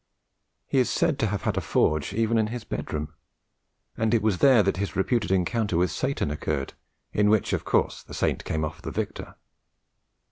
He is said to have had a forge even in his bedroom, and it was there that his reputed encounter with Satan occurred, in which of course the saint came off the victor.